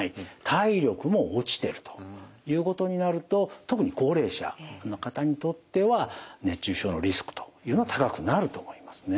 体力も落ちてるということになると特に高齢者の方にとっては熱中症のリスクというのは高くなると思いますね。